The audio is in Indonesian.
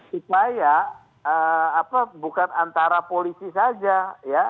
supaya bukan antara polisi saja ya